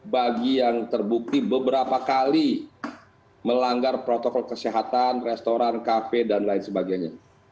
bagi yang terbukti beberapa kali melanggar protokol kesehatan restoran kafe dan lain sebagainya